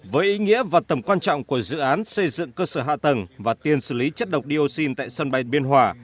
với ý nghĩa và tầm quan trọng của dự án xây dựng cơ sở hạ tầng và tiền xử lý chất độc dioxin tại sân bay biên hòa